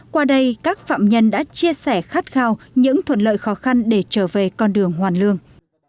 qua đây các phạm nhân đã chia sẻ khát khao những thuận lợi khó khăn để trở về con đường hoàn lương